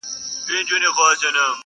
خېشکي، چي ډوډۍ خوري دروازې پېش کي.